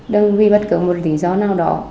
đừng vì bất cứ một lý do nào đó